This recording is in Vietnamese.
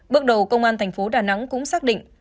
bước đầu công an thành phố đà nẵng cũng xác định